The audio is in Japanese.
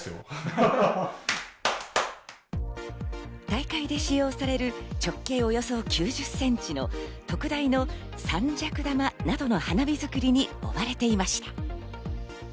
大会で使用される直径およそ９０センチの特大の３尺玉などの花火作りに追われていました。